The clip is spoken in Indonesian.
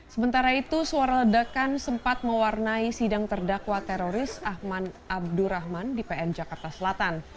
sementara itu suara ledakan sempat mewarnai sidang terdakwa teroris ahmad abdurrahman di pn jakarta selatan